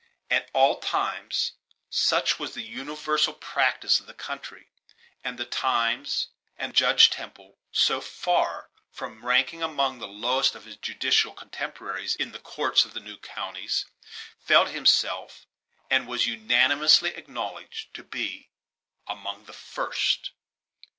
At all events, such was the universal practice of the country and the times; and Judge Temple, so far from ranking among the lowest of his judicial contemporaries in the courts of the new counties, felt himself, and was unanimously acknowledged to be, among the first.